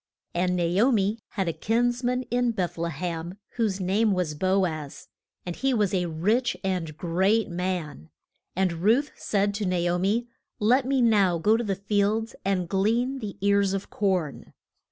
And Na o mi had a kins man in Beth le hem, whose name was Bo az, and he was a rich and great man. And Ruth said to Na o mi, Let me now go to the fields and glean the ears of corn.